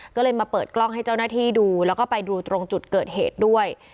ก็เลยมาเปิดกล้องให้เจ้าหน้าที่ดูแล้วก็ไปดูตรงจุดเกิดเหตุด้วย